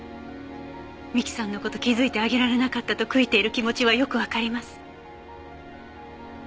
美樹さんの事気づいてあげられなかったと悔いている気持ちはよくわかります。